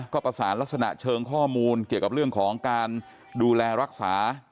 ก็ประสานลักษณะเชิงข้อมูลเกี่ยวกับเรื่องของการดูแลรักษา